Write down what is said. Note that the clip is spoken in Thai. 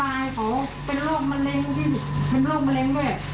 อายเขาเป็นโรคมะเร็งที่เป็นโรคมะเร็งด้วย